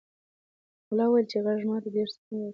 ملا وویل چې غږ ماته ډېر سکون راکوي.